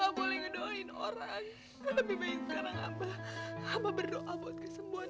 abah sakit ya bapak